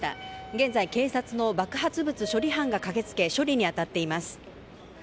現在、警察の爆発物処理班が駆けつけ処理に当たっています。